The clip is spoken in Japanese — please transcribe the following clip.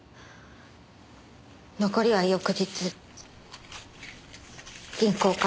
残りは翌日銀行から。